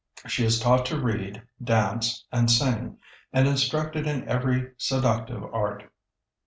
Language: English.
She is taught to read, dance, and sing, and instructed in every seductive art.